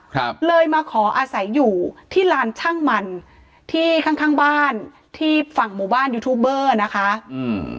ครับเลยมาขออาศัยอยู่ที่ลานช่างมันที่ข้างข้างบ้านที่ฝั่งหมู่บ้านยูทูบเบอร์นะคะอืม